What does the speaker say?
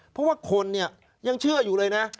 เพราะว่าคนเนี่ยยังเชื่ออยู่เลยนะ